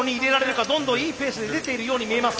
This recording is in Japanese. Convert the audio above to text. どんどんいいペースで出ているように見えます。